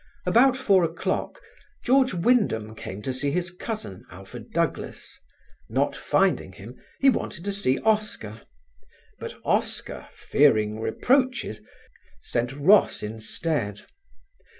About four o'clock George Wyndham came to see his cousin, Alfred Douglas; not finding him, he wanted to see Oscar, but Oscar, fearing reproaches, sent Ross instead.